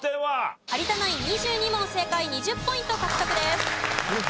有田ナイン２２問正解２０ポイント獲得です。